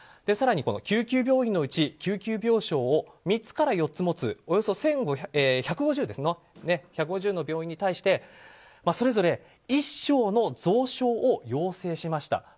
更に救急病院のうち救急病床を３つから４つもつおよそ１５０の病院に対してそれぞれ１床の増床を要請しました。